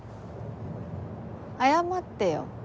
謝ってよ。